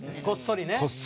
こっそり。